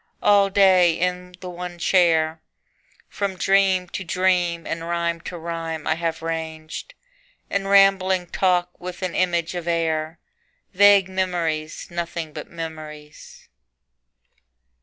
All day in the one chair From dream to dream and rhyme to rhyme I have ranged In rambling talk with an image of air: Vague memories, nothing but memories.